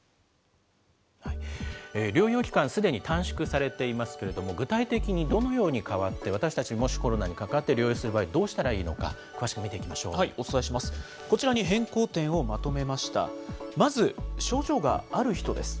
療養期間、すでに短縮されていますけれども、具体的にどのように変わって、私たち、もしコロナにかかって療養する場合、どうしたらいいのか、詳しくお伝えします。